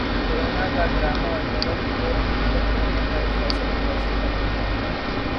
corona کو drama اور Ertugrul کو حقیقت کہنے پر فیصل قریشی پر تنقید